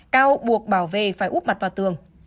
cao buộc bảo vệ phải úp mặt vào tường